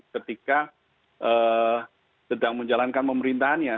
ketika sedang menjalankan pemerintahannya